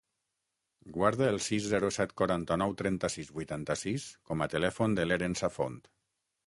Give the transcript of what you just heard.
Guarda el sis, zero, set, quaranta-nou, trenta-sis, vuitanta-sis com a telèfon de l'Eren Safont.